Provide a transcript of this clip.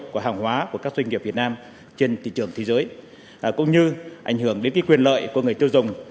của hàng hóa của các doanh nghiệp việt nam trên thị trường thế giới cũng như ảnh hưởng đến quyền lợi của người tiêu dùng